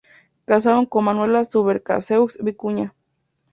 Casado con "Manuela Subercaseaux Vicuña".